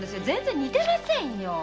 全然似てませんよ。